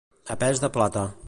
A pes de plata.